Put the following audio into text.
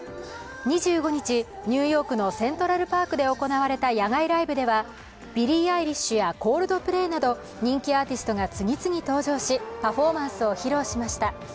２５日、ニューヨークのセントラルパークで行われた野外ライブではビリー・アイリッシュやコールドプレイなど人気アーティストが次々登場しパフォーマンスを披露しました。